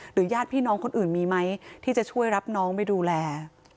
ญาติพี่น้องคนอื่นมีไหมที่จะช่วยรับน้องไปดูแล